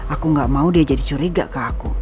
aku gak mau dia jadi curiga ke aku